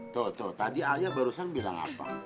tuh tuh tadi ayah barusan bilang apa